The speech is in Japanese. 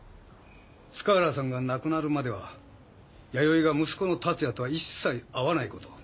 塚原さんが亡くなるまでは弥生が息子の達也とは一切会わないこと。